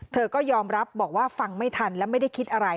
เธอก็ยอมรับบอกว่าฟังไม่ทันและไม่ได้คิดอะไร